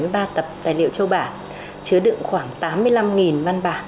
ba tập tài liệu châu bản chứa đựng khoảng tám mươi năm văn bản